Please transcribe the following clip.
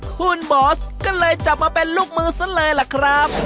คุณบอสก็เลยจับมาเป็นลูกมือซะเลยล่ะครับ